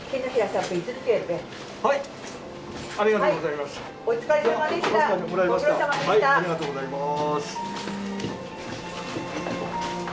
ありがとうございます。